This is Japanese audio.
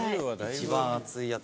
一番厚いやつ。